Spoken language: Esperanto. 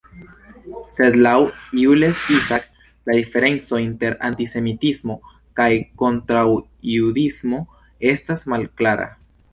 Sed laŭ Jules Isaac la diferenco inter "antisemitismo" kaj "kontraŭjudismo" estas malklara.